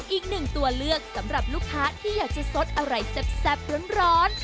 อีกหนึ่งตัวเลือกสำหรับลูกค้าที่อยากจะสดอะไรแซ่บร้อน